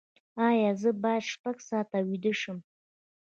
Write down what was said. ایا زه باید شپږ ساعته ویده شم؟